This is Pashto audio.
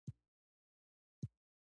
خو يوازې شاعران او اديبان هغه خلق دي